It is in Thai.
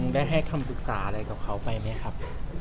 ได้ให้คำปรึกษาอะไรกับเขาไปไหมครับ